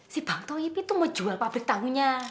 si bang toib itu mau jual pabrik tau nya